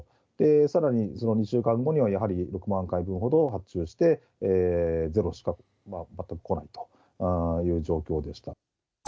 さらに２週間後には、やはり６万回分ほど発注して、ゼロという、全く来ないという状況でした。